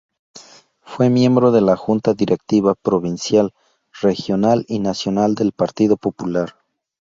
Fue miembro de la Junta Directiva Provincial, Regional y Nacional del Partido Popular.